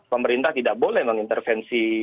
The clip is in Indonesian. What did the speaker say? pemerintah tidak boleh mengintervensi